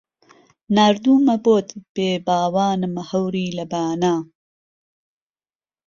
ناردوومە بۆت بێ باوانم هەوری لە بانە